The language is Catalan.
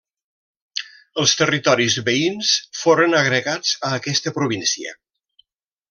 Els territoris veïns foren agregats a aquesta província.